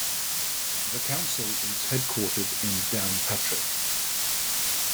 The Council is headquartered in Downpatrick.